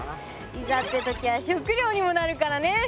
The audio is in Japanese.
いざって時は食料にもなるからね。